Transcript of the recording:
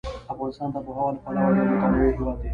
افغانستان د آب وهوا له پلوه ډېر متنوع هېواد دی.